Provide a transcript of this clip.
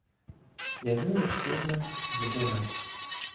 Явилась Турна задирать: